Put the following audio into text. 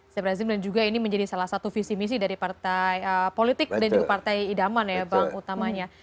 saya berhasil dan juga ini menjadi salah satu visi misi dari partai politik dan juga partai idaman ya bang utamanya